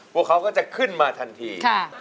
กว่าเขาก็จะขึ้นมาถันที่